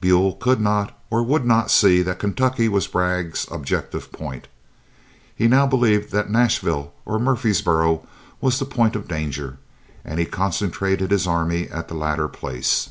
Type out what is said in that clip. Buell could not, or would not, see that Kentucky was Bragg's objective point. He now believed that Nashville or Murfreesboro was the point of danger, and he concentrated his army at the latter place.